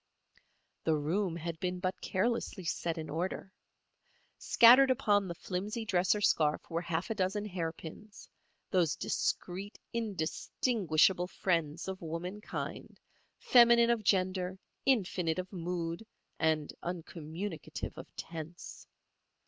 The room had been but carelessly set in order. Scattered upon the flimsy dresser scarf were half a dozen hairpins—those discreet, indistinguishable friends of womankind, feminine of gender, infinite of mood and uncommunicative of tense.